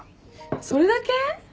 それだけ？